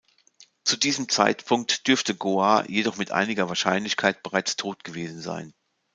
Zu diesem Zeitpunkt dürfte Goar jedoch mit einiger Wahrscheinlichkeit bereits tot gewesen sein.